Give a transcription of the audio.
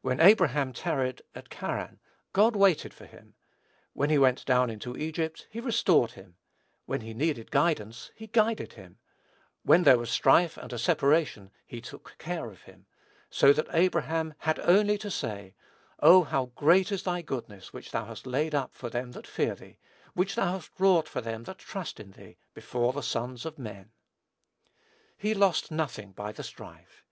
When Abraham tarried at Charran, God waited for him; when he went down into Egypt, he restored him; when he needed guidance, he guided him; when there was a strife and a separation, he took care of him; so that Abraham had only to say, "Oh, how great is thy goodness which thou hast laid up for them that fear thee; which thou hast wrought for them that trust in thee, before the sons of men." He lost nothing by the strife.